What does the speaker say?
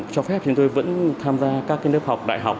cho phép thì chúng tôi vẫn tham gia các cái lớp học đại học